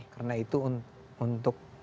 karena itu untuk